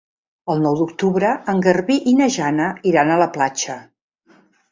El nou d'octubre en Garbí i na Jana iran a la platja.